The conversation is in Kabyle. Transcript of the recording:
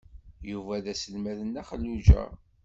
Yuba d aselmad n Nna Xelluǧa.